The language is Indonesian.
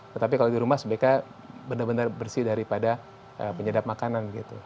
tetapi kalau di rumah sebaiknya benar benar bersih daripada penyedap makanan gitu